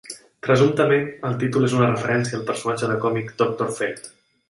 Presumptament, el títol és una referència al personatge de còmic Doctor Fate.